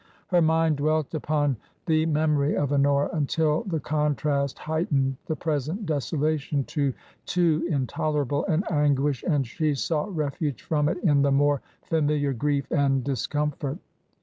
Her mind dwelt upon the memory of Honora, until the contrast heightened the present desolation to too intolerable an anguish, and she sought refuge from it in the more familiar grief and dis comfort.